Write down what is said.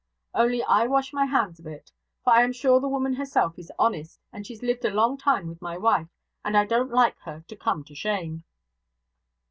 Only I wash my hands of it; for I am sure the woman herself is honest, and she's lived a long time with my wife, and I don't like her to come to shame.'